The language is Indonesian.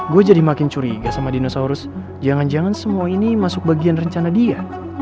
gue jadi makin curiga sama dinosaurus jangan jangan semua ini masuk bagian rencana dia